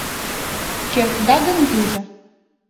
Кертыда гын, йӱза.